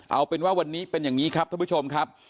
เอาเป็นว่าวันนี้เป็นอย่างนี้ครับท่านผู้ชมครับ